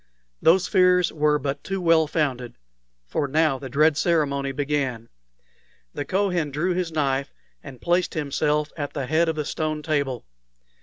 Those fears were but too well founded, for now the dread ceremony began. The Kohen drew his knife, and placed himself at the head of the stone table.